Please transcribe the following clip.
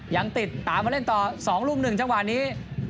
อย่างติดตามแล่นต่อสองรูปหนึ่งจังหวะนี้